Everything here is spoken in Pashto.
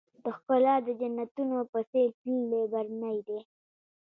د ښــــــــکلا د جنــــــتونو په ســـــــېل تللـــــــی برنی دی